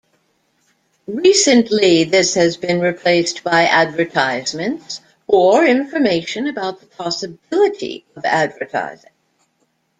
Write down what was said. Recently, this has been replaced by advertisements, or information about the possibility of advertising.